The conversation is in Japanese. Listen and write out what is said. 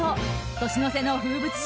年の瀬の風物詩